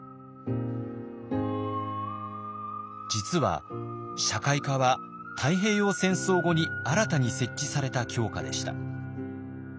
実は社会科は太平洋戦争後に新たに設置された教科でした。